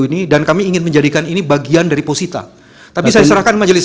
ini dan kami ingin menjadikan ini bagian dari posisi tapi saya serahkan majelis